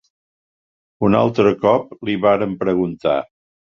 Un altre cop li varen preguntar...